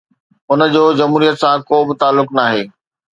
ان جو جمهوريت سان ڪو به تعلق ناهي.